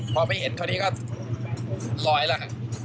พอไม่เห็นอันนี้ก็ลอยแล้วค่ะ